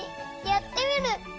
やってみる！